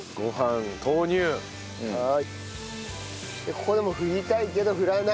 ここでも振りたいけど振らない。